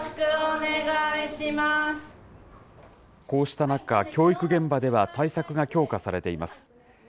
こうした中、教育現場では対策が強化されています。